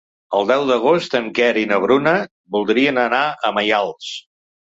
El deu d'agost en Quer i na Bruna voldrien anar a Maials.